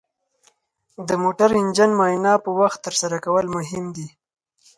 د موټر انجن معاینه په وخت ترسره کول مهم دي.